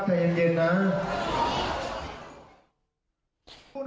ใจเย็นเย็นนะ